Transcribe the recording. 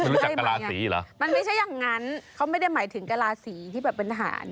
ไม่รู้จักกระลาสีหรอมันไม่ใช่อย่างนั้นเขาไม่ได้หมายถึงกระลาสีที่แบบเป็นทหาร